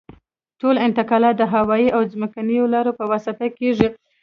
ټول انتقالات د هوایي او ځمکنیو لارو په واسطه کیږي